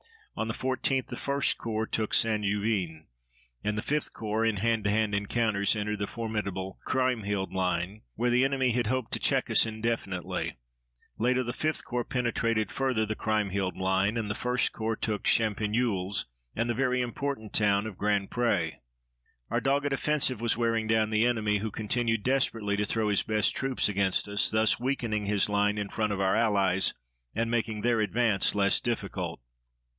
On the 14th the 1st Corps took St. Juvin, and the 5th Corps, in hand to hand encounters, entered the formidable Kriemhilde line, where the enemy had hoped to check us indefinitely. Later the 5th Corps penetrated further the Kriemhilde line, and the 1st Corps took Champigneulles and the important town of Grandpré. Our dogged offensive was wearing down the enemy, who continued desperately to throw his best troops against us, thus weakening his line in front of our allies and making their advance less difficult.